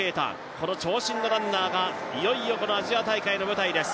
この長身のランナーがいよいよ、アジア大会の舞台です。